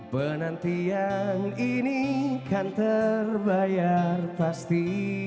benantian ini kan terbayar pasti